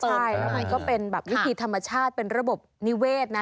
ใช่แล้วมันก็เป็นแบบวิธีธรรมชาติเป็นระบบนิเวศนะ